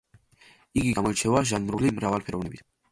იგი გამოირჩევა ჟანრული მრავალფეროვნებით.